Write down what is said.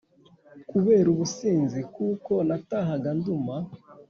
Kubera ubusinzi kuko natahaga nduma